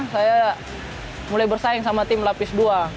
saya mulai bersaing sama tim lapis dua